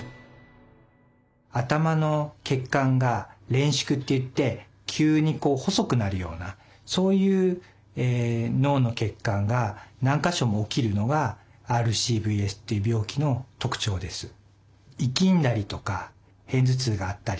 頭の血管が「れん縮」っていって急にこう細くなるようなそういう脳の血管が何か所も起きるのが「ＲＣＶＳ」っていう病気の特徴です。